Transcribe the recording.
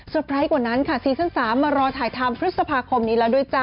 ไพรส์กว่านั้นค่ะซีซั่น๓มารอถ่ายทำพฤษภาคมนี้แล้วด้วยจ้